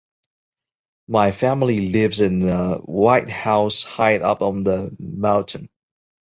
My family lives in a white house high up on the mountain